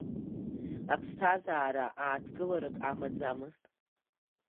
Аԥсҭазаара ааҭгыларак амаӡамызт.